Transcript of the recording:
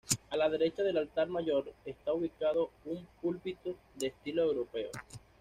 A la derecha del altar mayor, está ubicado un púlpito de estilo europeo.